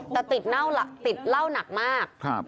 แต่ติดเหล้าหนักมาก